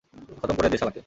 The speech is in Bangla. খতম করে দে শালা কে।